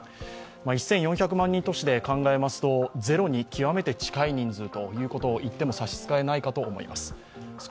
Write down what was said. １４００万人都市で考えますと、ゼロに極めて近い人数と言っても差し支えないかと思います。